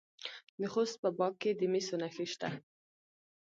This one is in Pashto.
د خوست په باک کې د مسو نښې شته.